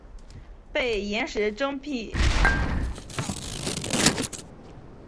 被严实征辟到东平路幕府。